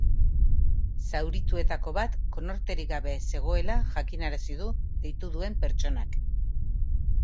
Zaurituetako bat konorterik gabe zegoela jakinarazi du deitu duen pertsonak.